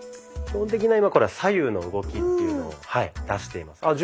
基本的な今これは左右の動きというのを出しています。